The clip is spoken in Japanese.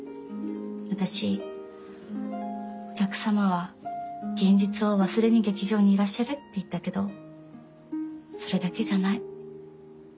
私お客様は現実を忘れに劇場にいらっしゃるって言ったけどそれだけじゃない。